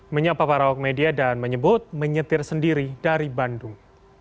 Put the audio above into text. menyapa para hokmedia dan menyebut menyetir sendiri dari bandung